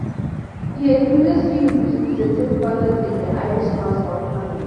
He had previously represented Fethard in the Irish House of Commons.